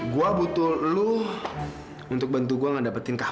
gue butuh lo untuk bantu gue mendapatkan kava